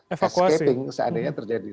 escaping seandainya terjadi